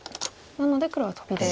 なので黒はトビで。